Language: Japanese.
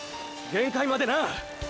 限界までな！